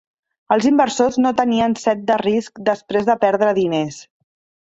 Els inversors no tenien set de risc després de perdre diners.